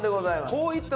こういった。